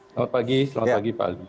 selamat pagi selamat pagi pak ali